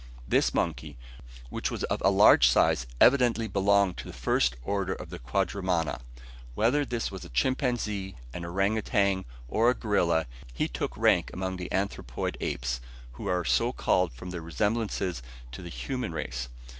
This monkey, which was of a large size, evidently belonged to the first order of the quadrumana. Whether this was a chimpanzee, an orang outang, or a gorilla, he took rank among the anthropoid apes, who are so called from their resemblance to the human race.